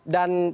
dan terima kasih